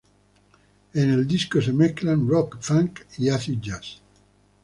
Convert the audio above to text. En el disco se mezclan rock, funk y acid jazz.